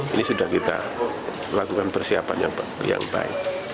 ini sudah kita lakukan persiapan yang baik